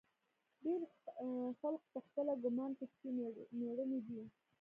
ډېر خلق پخپله ګومان کا چې مېړني دي.